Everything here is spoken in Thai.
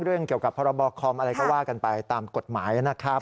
เรื่องเกี่ยวกับพรบคอมอะไรก็ว่ากันไปตามกฎหมายนะครับ